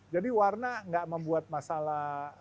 jadi warna gak membuat masalah